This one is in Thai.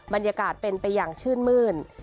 บรรยากาศเป็นไปอย่างชื่นมื้น